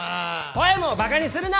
ポエムをバカにするな！